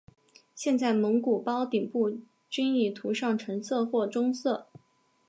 现在蒙古包顶部均已涂上橙色或棕色。